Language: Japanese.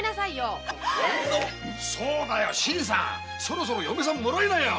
そうだ新さんそろそろ嫁さんもらいなよ。